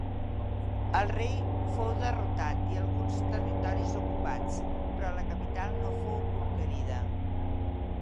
El rei fou derrotat i alguns territoris ocupats però la capital no fou conquerida.